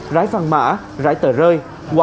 rãi văn mã rãi tờ rơi